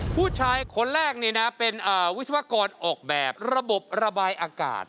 ผู้ชายคนแรกเป็นวิศวกรออกแบบระบบระบายอากาศ